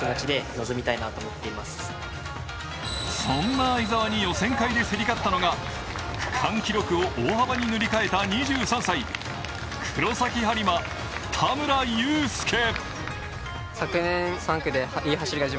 そんな相澤に予選会で競り勝ったのが区間記録を大幅に塗り替えた２３歳、黒崎播磨・田村友佑。